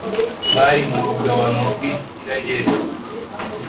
Bari mu rugabano rw`Isirayeli